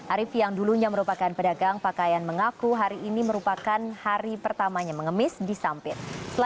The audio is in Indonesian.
arief yang dulunya merupakan pedagang pakaian mengaku hari ini merupakan hari pertamanya mengemis di sampit